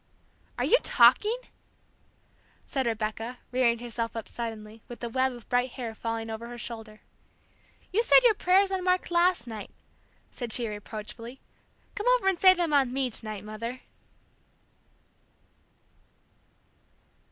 "Are you talking?" said Rebecca, rearing herself up suddenly, with a web of bright hair falling over her shoulder. "You said your prayers on Mark last night " said she, reproachfully, "come over and say them on me to night, Mother."